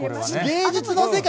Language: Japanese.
芸術の世界。